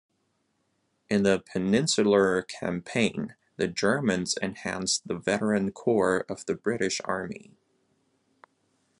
In the Peninsular Campaign, the Germans enhanced the veteran core of the British army.